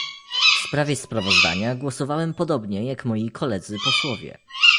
W sprawie sprawozdania głosowałem podobnie, jak moi koledzy posłowie